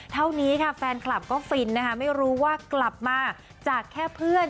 เท่านี้ค่ะแฟนคลับก็ฟินนะคะไม่รู้ว่ากลับมาจากแค่เพื่อน